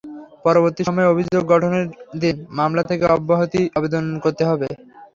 পরবর্তী সময়ে অভিযোগ গঠনের দিন মামলা থেকে অব্যাহতির আবেদন করতে হবে।